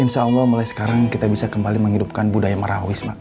insya allah mulai sekarang kita bisa kembali menghidupkan budaya marawis mbak